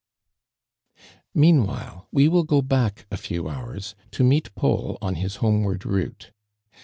Meanwhile we will go back a few hour$ to meet Paul on his homeward route.